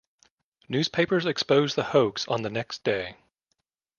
Newspapers exposed the hoax on the next day.